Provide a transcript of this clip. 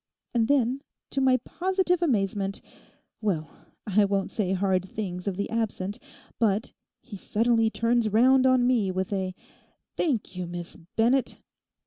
And then—to my positive amazement—well, I won't say hard things of the absent; but he suddenly turns round on me with a "Thank you, Miss Bennett."